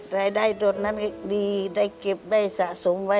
รายได้ตอนนั้นก็ดีได้เก็บได้สะสมไว้